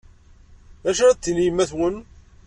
D acu ara d-tini yemma-twen?